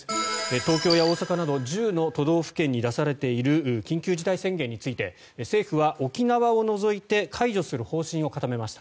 東京や大阪など１０の都道府県に出されている緊急事態宣言について政府は沖縄を除いて解除する方針を固めました。